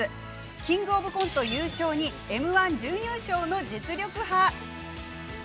キングオブコント優勝にＭ−１準優勝の実力派。